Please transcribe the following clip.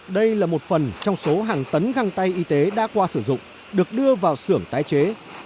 đây là một phần trong số hàng tấn găng tay y tế đã qua sử dụng được đưa vào sưởng tái chế